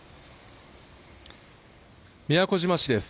宮古島市です。